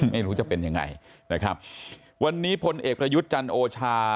ไม่รู้จะเป็นยังไงนะครับวันนี้พลเอกประยุทธ์จันโอชา